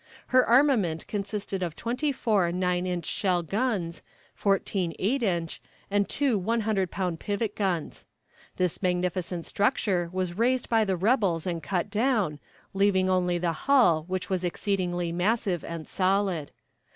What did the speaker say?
Her armament consisted of twenty four nine inch shell guns, fourteen eight inch, and two one hundred pound pivot guns. This magnificent structure was raised by the rebels and cut down, leaving only the hull, which was exceedingly massive and solid.